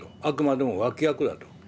あくまでも脇役だと。